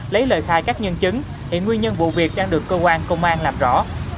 lấy lời khai các nhân chứng hiện nguyên nhân vụ việc đang được cơ quan công an làm rõ